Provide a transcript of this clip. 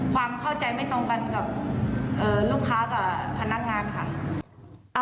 ความเข้าใจไม่ตรงกันกับลูกค้ากับพนักงานค่ะ